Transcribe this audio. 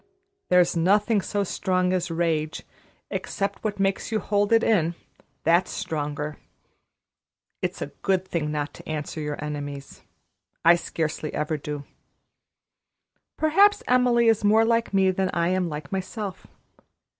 There's nothing so strong as rage, except what makes you hold it in that's stronger. It's a good thing not to answer your enemies. I scarcely ever do. Perhaps Emily is more like me than I am like myself.